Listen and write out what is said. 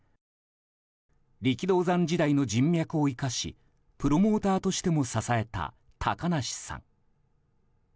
力道山時代の人脈を生かしプロモーターとしても支えた高梨さん。